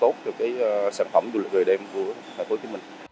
tốt cho cái sản phẩm du lịch về đêm của thành phố hồ chí minh